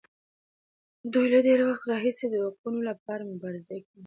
دوی له ډېر وخت راهیسې د حقونو لپاره مبارزه کوي.